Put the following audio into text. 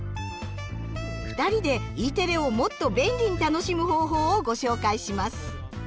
２人でＥテレをもっと便利に楽しむ方法をご紹介します。